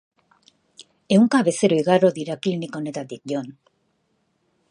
Ehunka bezero igaro dira klinika honetatik, Jon.